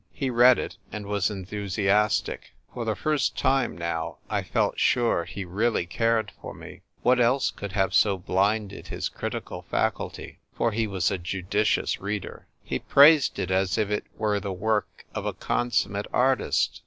He read it and was enthusiastic. For the first time now I felt sure he really cared for me ; what else could so have blinded his critical faculty ? For he was a judicious reader. He praised it as if it were the work ol a consummate artist.